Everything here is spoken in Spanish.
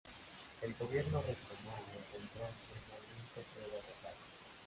El gobierno retomó el control y el movimiento fue derrocado.